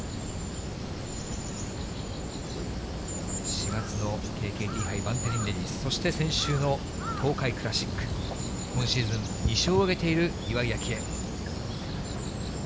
４月のＫＫＴ杯バンテリンレディス、そして東海クラシック、今シーズン２勝を挙げている岩井明愛。